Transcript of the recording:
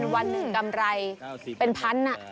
วันกำไรเป็นพันธุ์น่ะ